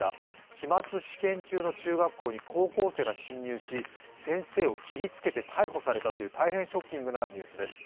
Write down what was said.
期末試験中の中学校に高校生が侵入し先生を切りつけて逮捕されたという大変ショッキングなニュースです。